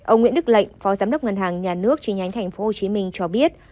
ông nguyễn đức lệnh phó giám đốc ngân hàng nhà nước chi nhánh tp hcm cho biết